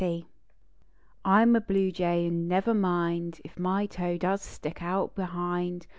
fHJAY I m a bluejuy ml never mind !" my toe does stick out behind.